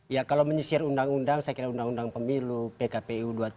ya kalau menyisir undang undang saya kira undang undang pemilu pkpu dua puluh tiga